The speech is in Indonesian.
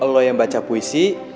lo yang baca puisi